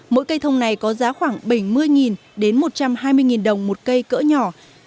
mỗi cây thông này có giá khoảng bảy mươi đến một trăm hai mươi đồng một cây cỡ nhỏ